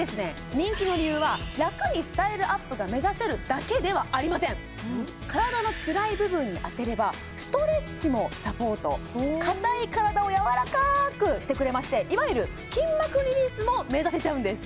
人気の理由はラクにスタイルアップが目指せるだけではありません体のつらい部分に当てればストレッチもサポートかたい体をやわらかくしてくれましていわゆる筋膜リリースも目指せちゃうんです